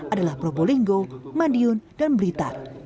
adalah propolinggo mandiun dan blitar